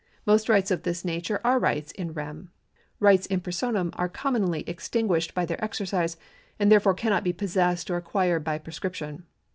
Most rights of this nature are rights in rem. Rights in j)ersonain are commonly extinguished by their exercise, and therefore cannot be possessed or acquired by prescription.